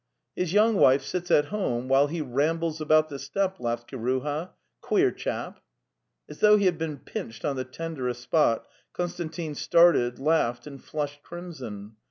'His young wife sits at home while he rambles about the steppe," laughed Kiruha. " Queer chap!" As though he had been pinched on the tenderest spot, Konstantin started, laughed and flushed crim son.